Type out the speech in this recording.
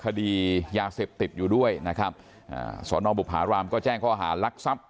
คดียาเสพติดอยู่ด้วยนะครับอ่าสอนอบุภารามก็แจ้งข้อหารักทรัพย์